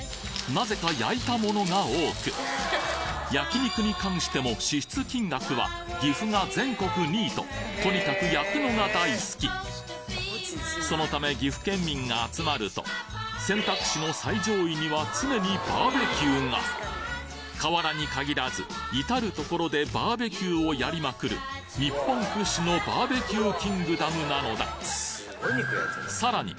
なぜか焼いたものが多く焼き肉に関しても支出金額は岐阜が全国２位ととにかく焼くのが大好きそのため岐阜県民が集まると選択肢の最上位には常にバーベキューが河原に限らず至る所でバーベキューをやりまくる日本屈指のバーベキューキングダムなのださらに